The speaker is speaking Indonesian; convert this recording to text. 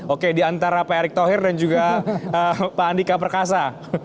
oke diantara pak erick thohir dan juga pak andika perkasa